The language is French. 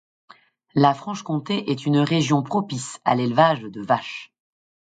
La Franche-Comté est une région propice à l’élevage de vaches.